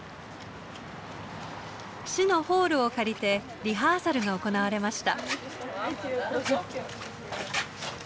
市のホールを借りてリハーサルが行われました。